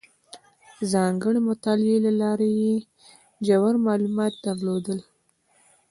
ځانګړې مطالعې له لارې یې ژور معلومات درلودل.